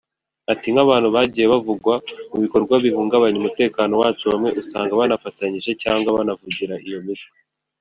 Ati “ Nk’abantu bagiye bavugwa mu bikorwa bihungabanya umutekano wacu bamwe usanga banafatanyije cyangwa banavugira iyo mitwe